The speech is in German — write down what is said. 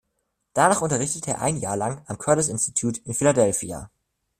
Danach unterrichtete er ein Jahr lang am Curtis Institute in Philadelphia.